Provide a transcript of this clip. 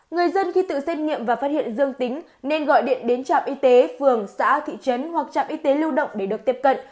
người dân khi tự xét nghiệm và phát hiện dương tính nên gọi điện đến trạm y tế phường xã thị trấn hoặc trạm y tế lưu động để được tiếp cận